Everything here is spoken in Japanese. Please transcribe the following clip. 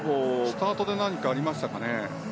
スタートで何かありましたかね？